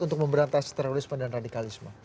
untuk memberantas terorisme dan radikalisme